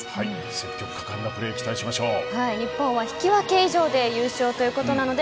積極果敢なプレーに期待しましょう。